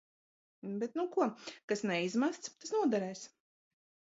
Bet nu ko, kas neizmests, tas noderēs.